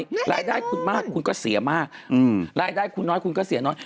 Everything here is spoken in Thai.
รายได้คุณมากคุณก็เสียมากอืมรายได้คุณน้อยคุณก็เสียน้อย